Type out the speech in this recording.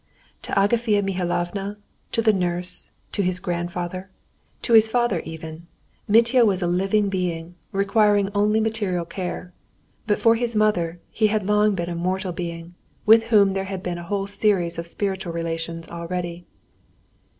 To Agafea Mihalovna, to the nurse, to his grandfather, to his father even, Mitya was a living being, requiring only material care, but for his mother he had long been a mortal being, with whom there had been a whole series of spiritual relations already.